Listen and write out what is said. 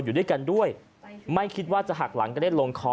อยู่ด้วยกันด้วยไม่คิดว่าจะหักหลังกระเด็นลงคอ